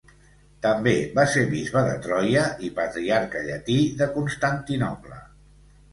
També va ser bisbe de Troia i Patriarca llatí de Constantinoble.